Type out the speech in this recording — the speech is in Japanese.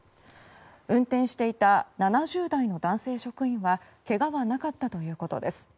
運転していた７０代の男性職員はけがはなかったということです。